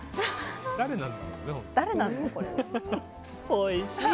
おいしい。